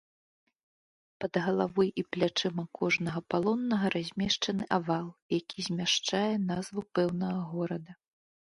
Пад галавой і плячыма кожнага палоннага размешчаны авал, які змяшчае назву пэўнага горада.